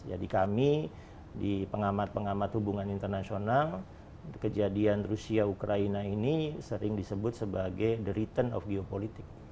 jadi kami di pengamat pengamat hubungan internasional kejadian rusia ukraina ini sering disebut sebagai the return of geopolitik